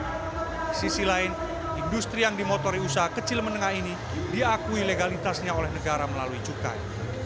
di sisi lain industri yang dimotori usaha kecil menengah ini diakui legalitasnya oleh negara melalui cukai